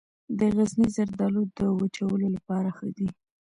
د غزني زردالو د وچولو لپاره ښه دي.